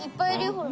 ほら。